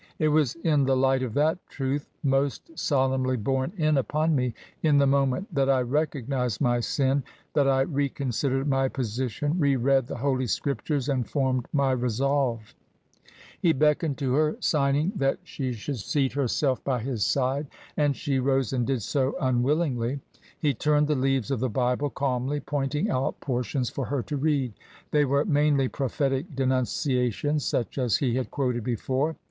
It was in the light of that truth — most sol emnly borne in upon me in the moment that I recognised my sin — ^that I reconsidered my position, re read the Holy Scriptures, and formed my resolve." He beckoned to her, signing that she should seat her TRANSITION. 33 self by his side; and she rose and did so unwillingly. He turned the leaves of the Bible calmly, pointing out portions for her to read. They were mainly prophetic denunciations such as he had quoted before.